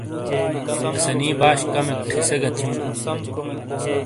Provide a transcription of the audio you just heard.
آسنی باش کمک ٹھیسے گی تھیوں۔